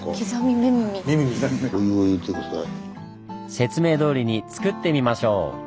説明どおりにつくってみましょう！